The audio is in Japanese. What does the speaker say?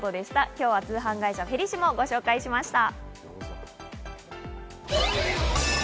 今日は通販会社フェリシモをご紹介しました。